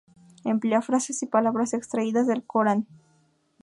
Emplea frases y palabras extraídas del Corán.